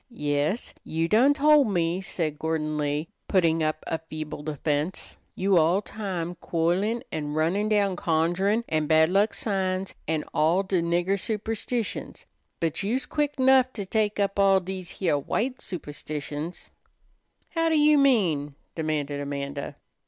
"Yes, you done tol' me," said Gordon Lee, putting up a feeble defense. "You all time quoilin' an' runnin' down conjurin' an' bad luck signs an' all de nigger superstitions; but you's quick 'nough to tek up all dese heah white superstitions." "How you mean?" demanded Amanda.